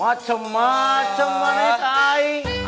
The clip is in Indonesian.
macem macem maneh kaya